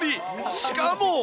しかも。